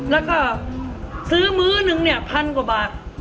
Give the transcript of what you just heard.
แล้วก็ซื้อมื้อหนึ่งเนี่ยพันกว่าบาท